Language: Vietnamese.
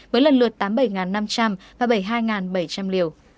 với lần lượt tám mươi bảy năm trăm linh và bảy mươi hai bảy trăm linh liều